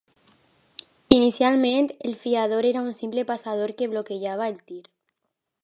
Inicialment el fiador era un simple passador que bloquejava el tir.